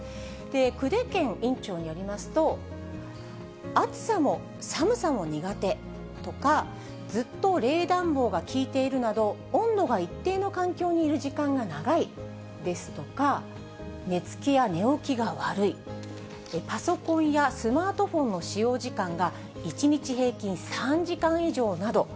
久手堅院長によりますと、暑さも寒さも苦手とか、ずっと冷暖房が効いているなど、温度が一定の環境にいる時間が長いですとか、寝つきや寝起きが悪い、パソコンやスマートフォンの使用時間が１日平均３時間以上など。